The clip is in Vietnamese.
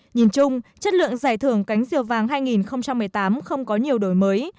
nhìn chung chất lượng giải thưởng cánh diều vàng hai nghìn một mươi tám không có nhiều đối mặt